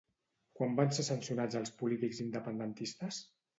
Quan van ser sancionats els polítics independentistes?